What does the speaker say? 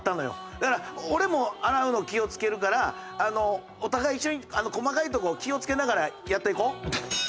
だから俺も洗うの気をつけるからお互い一緒に細かいとこ気をつけながらやっていこう。